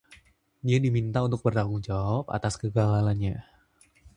Dia diminta untuk bertanggung jawab atas kegagalannya.